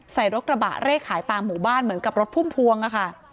ใส่รถกระบะเลขขายตามหมู่บ้านเหมือนกับรถพุ่มพวงอะค่ะ